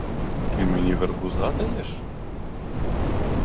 Ти мені гарбуза даєш?